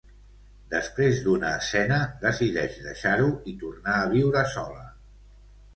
Després d'una escena, decideix deixar-ho, i tornar a viure sola.